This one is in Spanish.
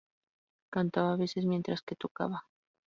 Cantaba a veces mientras que tocaba.